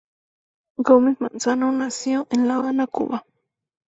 Gómez Manzano nació en La Habana, Cuba.